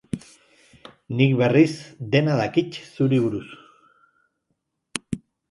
Nik, berriz, dena dakit zuri buruz.